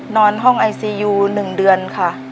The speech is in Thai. นอนห้องไอซียู๑เดือนค่ะ